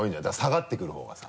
下がってくる方がさ。